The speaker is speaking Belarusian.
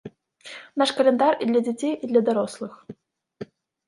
Наш каляндар і для дзяцей, і для дарослых!